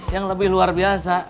yang lebih luar biasa